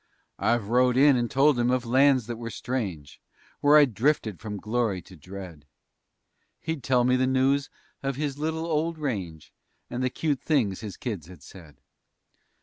I've rode in and told him of lands that were strange, Where I'd drifted from glory to dread. He'd tell me the news of his little old range And the cute things his kids had said!